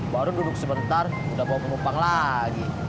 baru duduk sebentar udah mau menumpang lagi